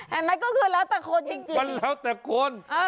เห็นไหมก็คือแล้วแต่คนจริง